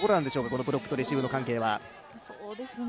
このブロックとレシーブの関係は。